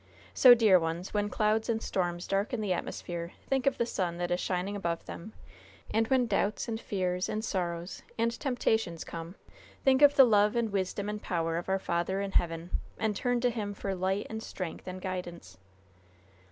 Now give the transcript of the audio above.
So, dear ones, when clouds and storms darken the atmosphere, think of the sun that is shining above them; and when doubts and fears and sorrows and temptations come, think of the love and wisdom and power of our Father in heaven, and turn to Him for light and strength and guidance."